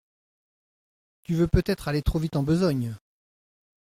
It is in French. Tu veux peut-être aller trop vite en besogne…